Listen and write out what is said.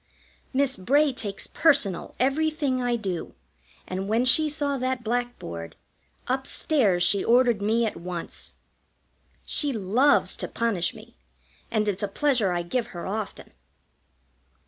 Miss Bray takes personal everything I do, and when she saw that blackboard, up stairs she ordered me at once. She loves to punish me, and it's a pleasure I give her often.